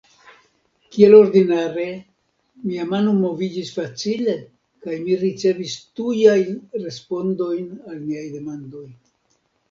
Kiel ordinare, mia mano moviĝis facile, kaj mi ricevis tujajn respondojn al niaj demandoj.